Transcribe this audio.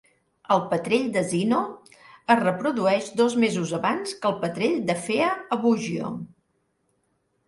El petrell de Zino es reprodueix dos mesos abans que el petrell de Fea a Bugio.